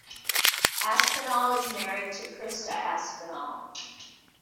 Aspinall is married to Christa Aspinall.